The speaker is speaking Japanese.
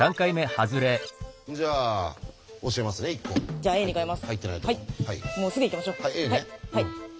じゃあＣに変えます。